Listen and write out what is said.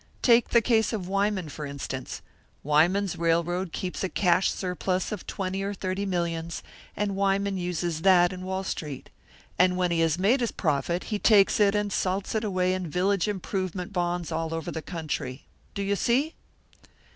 "Take the case of Wyman, for instance. Wyman's railroad keeps a cash surplus of twenty or thirty millions, and Wyman uses that in Wall Street. And when he has made his profit, he takes it and salts it away in village improvement bonds all over the country. Do you see?"